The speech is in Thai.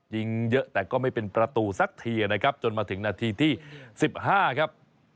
ยิงเยอะแต่ก็ไม่เป็นประตูสักทีนะครับจนมาถึงนาทีที่๑๕ครับ